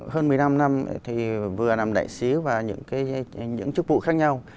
trong quá trình hơn một mươi năm năm thì vừa làm đại sứ và những chức vụ khác nhau